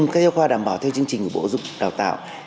các giáo khoa đảm bảo theo chương trình của bộ giáo dục và đào tạo